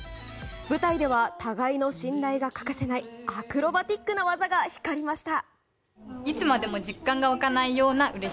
舞台では互いの信頼が欠かせないアクロバティックな技が光りました。